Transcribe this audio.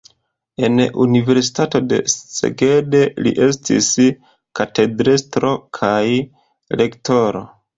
En universitato de Szeged li estis katedrestro kaj rektoro.